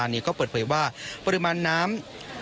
นี่ก็เปิดเผยว่าปริมาณน้ำ